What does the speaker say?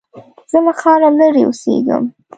زه له ښاره لرې اوسېږم.